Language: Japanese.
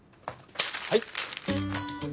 はい！